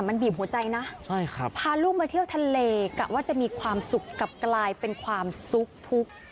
มันบีบหัวใจนะพาลูกมาเที่ยวทะเลกะว่าจะมีความสุขกลับกลายเป็นความสุขทุกข์